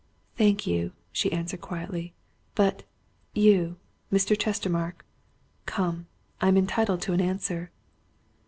"Thank you!" she answered quietly. "But you, Mr. Chestermarke? Come I'm entitled to an answer."